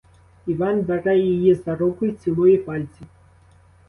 Іван, бере її за руку й цілує пальці.